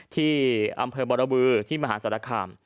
ที่อำเภอบรบือที่มหาศาลคาม